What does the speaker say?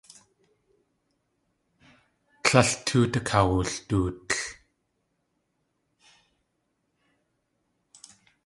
Tlél tóot akawuldootl.